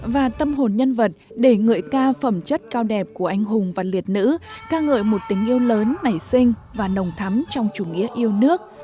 và tâm hồn nhân vật để ngợi ca phẩm chất cao đẹp của anh hùng và liệt nữ ca ngợi một tình yêu lớn nảy sinh và nồng thắm trong chủ nghĩa yêu nước